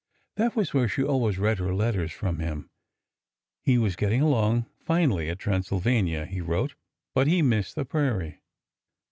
That was where she always read her letters from him. He was getting along finely at Transylvania, he wrote, but he missed the prairie.